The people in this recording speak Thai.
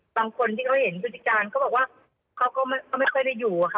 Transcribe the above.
บางคนที่เขาเห็นพฤติการเขาบอกว่าเขาก็ไม่ค่อยได้อยู่อะค่ะ